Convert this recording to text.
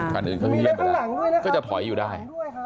คันอื่นเขายืนไปแล้วก็จะถอยอยู่ได้